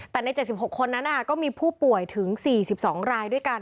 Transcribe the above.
แต่ใน๗๖คนนั้นก็มีผู้ป่วยถึง๔๒รายด้วยกัน